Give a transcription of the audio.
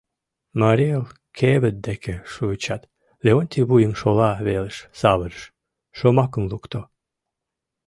«Марий Эл» кевыт деке шуычат, Леонтий вуйым шола велыш савырыш, шомакым лукто: